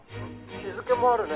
「日付もあるね」